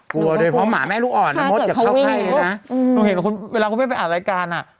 กลัวโดยเพราะหมาแม่ลูกอ่อนนะมดอย่าเข้าไข้เลยนะ